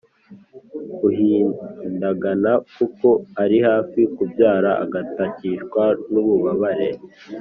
uhindagana kuko ari hafi kubyara, agatakishwa n’ububabare.